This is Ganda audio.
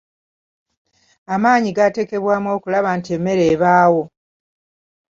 Amaanyi gateekebwamu okulaba nti emmere ebaawo.